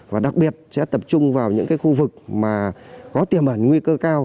và đặc biệt sẽ tập trung vào những khu vực mà có tiềm ẩn nguy cơ cao